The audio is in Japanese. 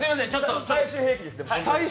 最終兵器です